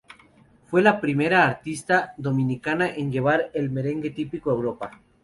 Fue la primera artista dominicana en llevar el merengue típico a Europa.